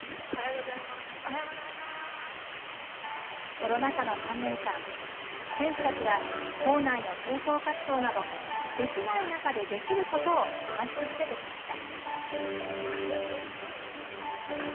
コロナ禍の３年間、選手たちは構内の清掃活動などできない中でできることを探し続けてきました。